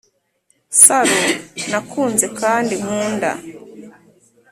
Saro nakunze kandi nkunda